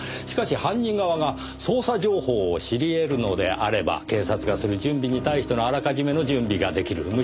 しかし犯人側が捜査情報を知り得るのであれば警察がする準備に対してのあらかじめの準備が出来る。